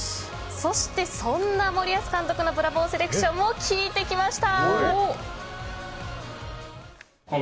そしてそんな森保監督のブラボーセレクションも聞いてきました。